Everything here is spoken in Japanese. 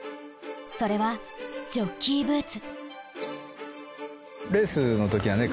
それはジョッキーブーツ。